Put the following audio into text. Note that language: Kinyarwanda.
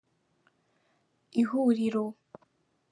ihuriro.